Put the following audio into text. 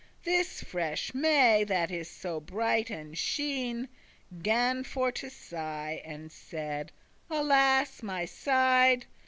This freshe May, that is so bright and sheen, Gan for to sigh, and said, "Alas my side!